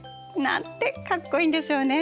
なんてかっこいいんでしょうね。